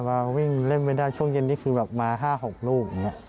วิ่งเล่นไม่ได้ช่วงเย็นนี้คือมา๕๖ลูก